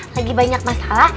lagi banyak masalah